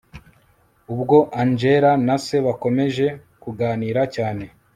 ubwo angella na se bakomeje kuganira cyane